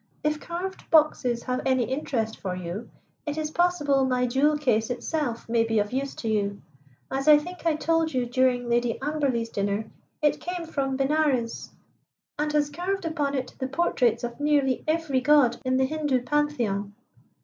"If carved boxes have any interest for you, it is possible my jewel case itself may be of use to you. As I think I told you during Lady Amberley's dinner, it came from Benares, and has carved upon it the portraits of nearly every god in the Hindu Pantheon."